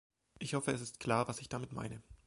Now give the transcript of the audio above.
Ich hoffe, es ist klar, was ich damit meine.